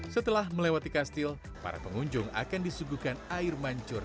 setelah melewati kastil para pengunjung akan disuguhkan air mancur